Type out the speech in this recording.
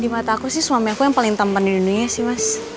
di mata aku sih suamiku yang paling tampan di dunia sih mas